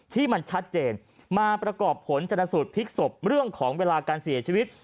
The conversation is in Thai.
ที่มันชัดเจนมาประกอบผลชนสูตรพลิกศพเรื่องของเวลาการเสียชีวิต